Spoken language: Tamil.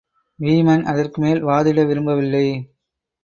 வீமன் அதற்குமேல் வாதிட விரும்பவில்லை.